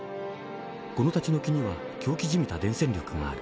この立ち退きには狂気じみた伝染力がある。